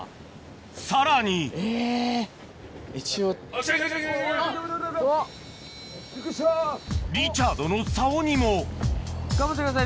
さらにリチャードの竿にも頑張ってください